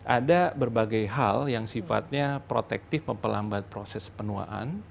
ada berbagai hal yang sifatnya protektif memperlambat proses penuaan